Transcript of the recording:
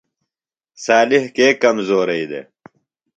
صالح کے کمزورئی دےۡ؟